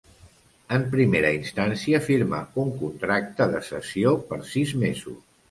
En primera instància firmà un contracte de cessió per sis mesos.